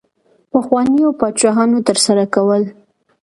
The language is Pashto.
پخوانیو پاچاهانو ترسره کول.